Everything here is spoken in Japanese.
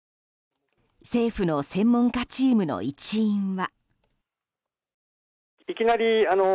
政府の専門家チームの一員は。